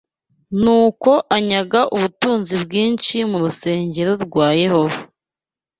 Nuko anyaga ubutunzi bwinshi mu rusengero rwa Yehova